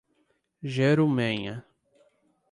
Jerumenha